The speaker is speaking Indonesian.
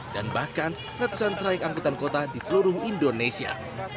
dan bahkan ratusan trayek angkutan kota di seluruh indonesia